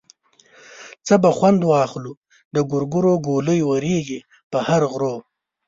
څه به خوند واخلو د ګورګورو ګولۍ ورېږي په هر غرو.